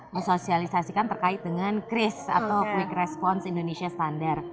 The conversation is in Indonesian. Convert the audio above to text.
ngesosialisasikan terkait dengan kris atau quick response indonesia standard